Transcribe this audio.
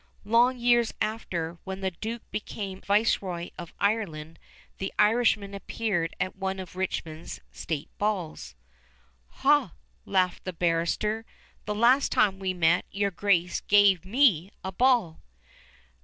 Long years after, when the duke became viceroy of Ireland, the Irishman appeared at one of Richmond's state balls. "Hah," laughed the barrister, "the last time we met, your Grace gave me a ball."